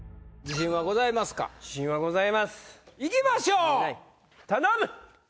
自信はございますいきましょう頼む